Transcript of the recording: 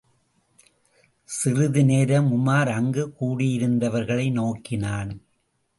சிறிது நேரம் உமார் அங்கு கூடியிருந்தவர்களை நோக்கினான்.